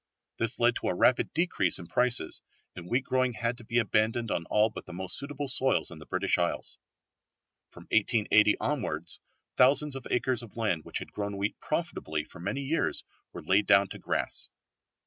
This led to a rapid decrease in prices, and wheat growing had to be abandoned on all but the most suitable soils in the British Isles. From 1880 onwards thousands of acres of land which had grown wheat profitably for many years were laid down to grass.